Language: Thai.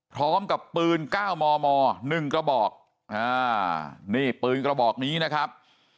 พร้อมกับปืน๙มม๑กระบอกนี่ปืนกระบอกนี้นะครับ